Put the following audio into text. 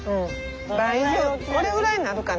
倍にこれぐらいになるかな。